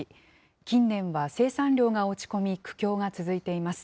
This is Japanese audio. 近年は生産量が落ち込み、苦境が続いています。